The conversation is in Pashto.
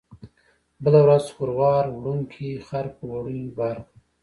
بله ورځ خروار وړونکي خر په وړیو بار کړ.